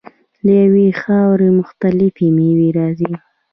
له یوې خاورې مختلفې میوې راځي.